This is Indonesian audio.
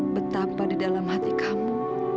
betapa di dalam hati kamu